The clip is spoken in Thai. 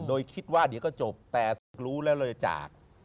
โดยคิดว่าเดี๋ยวก็จบแต่ศึกรู้แล้วเลยจาก